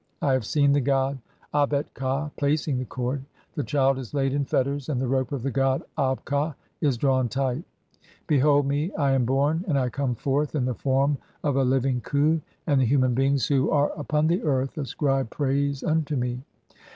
I have seen the god "Abet ka placing the cord ; the child is laid in (8) fetters, and "the rope of the god Ab ka is drawn tight (?) Behold me. "I am born, and I come forth in the form of a living Khu, (9) "and the human beings who are upon the earth ascribe praise "[unto me].